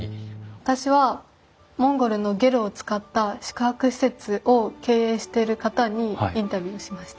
私はモンゴルのゲルを使った宿泊施設を経営してる方にインタビューをしました。